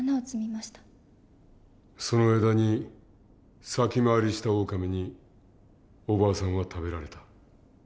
その間に先回りしたオオカミにおばあさんは食べられた。